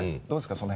その辺。